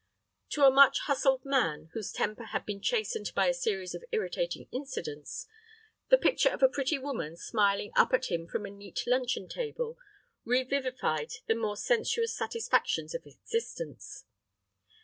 To a much hustled man, whose temper had been chastened by a series of irritating incidents, the picture of a pretty woman smiling up at him from a neat luncheon table revivified the more sensuous satisfactions of existence.